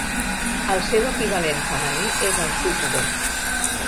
El seu equivalent femení és el súcube.